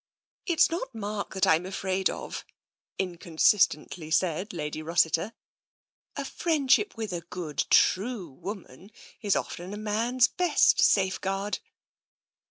" It's not Mark that Fm afraid of," inconsistently said Lady Rossiter. " A friendship with a good, true woman is often a man's best safeguard."